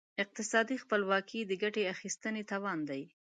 اقتصادي خپلواکي د ګټې اخیستنې توان دی.